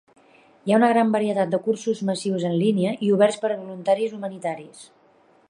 Hi ha una gran varietat de cursos massius en línia i oberts per a voluntaris humanitaris.